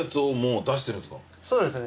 そうですね。